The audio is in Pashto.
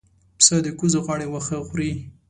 پسه د کوزې غاړې واښه خوري.